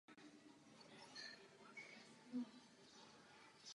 Podstatná část území arcidiecéze se nachází na území Severní Koreje.